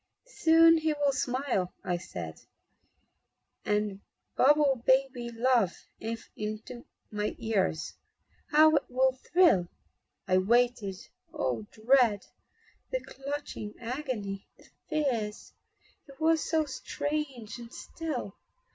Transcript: "Soon he will smile," I said, "And babble baby love into my ears How it will thrill!" I waited Oh, the dread, The clutching agony, the fears! He was so strange and still.